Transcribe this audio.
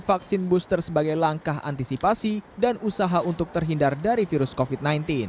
vaksin booster sebagai langkah antisipasi dan usaha untuk terhindar dari virus covid sembilan belas